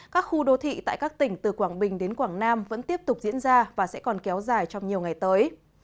các khu đô thị tại các tỉnh từ quảng bình đến quảng nam vẫn tiếp tục diễn ra và sẽ còn kéo dài trong nhiều ngày tới